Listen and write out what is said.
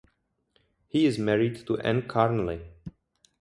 He is married to Ann Carnley.